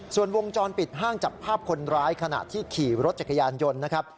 ส่วนวงจรปิดห้างจับภาพคนร้ายขณะที่ขี่รถจักรยานยนต์นะครับ